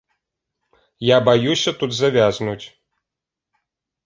Я баюся тут завязнуць.